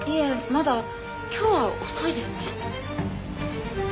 今日は遅いですね。